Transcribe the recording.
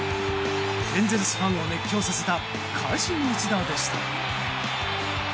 エンゼルスファンを熱狂させた会心の一打でした。